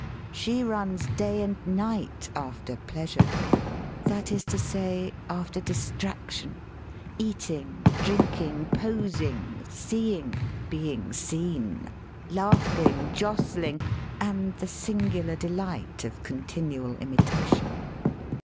She runs day and^ night after pleasure — that is to say, after dis traction: eating, drinking, posing, seeing^ being seen, laughing, jostling, and the singular delight of continual imitation.